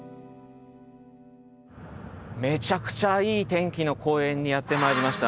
めちゃくちゃいい天気の公園にやって参りました。